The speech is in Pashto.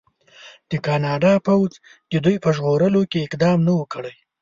د کاناډا پوځ د دوی په ژغورلو کې اقدام نه و کړی.